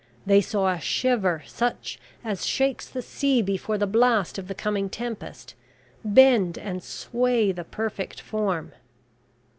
They saw a shiver, such as shakes the sea before the blast of the coming tempest, bend and sway the perfect form...